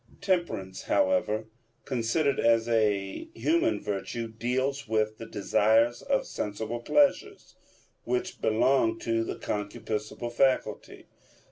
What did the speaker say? Temperance, however, considered as a human virtue, deals with the desires of sensible pleasures, which belong to the concupiscible faculty.